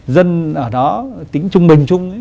dân ở đó tính trung bình chung